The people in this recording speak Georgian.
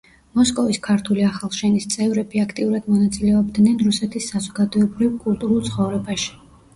მოსკოვის ქართული ახალშენის წევრები აქტიურად მონაწილეობდნენ რუსეთის საზოგადოებრივ-კულტურულ ცხოვრებაში.